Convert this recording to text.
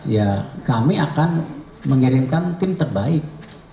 ya kami akan mengirimkan tim terbaik